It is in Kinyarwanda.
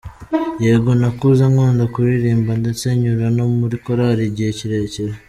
Yego nakuze nkunda kuririmba ndetse nyura no muri korali igihe kirekire.